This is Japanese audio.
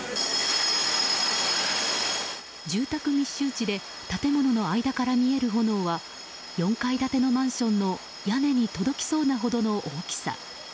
住宅密集地で建物の間から見える炎は４階建てのマンションの屋根に届きそうなほどの大きさ。